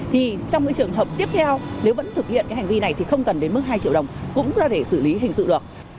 thì trong cái trường hợp tiếp theo nếu vẫn thực hiện cái hành vi này thì không cần đến mức hai triệu đồng cũng ra để xử lý hình sự được